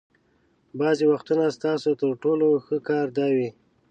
بعضې وختونه ستاسو تر ټولو ښه کار دا وي.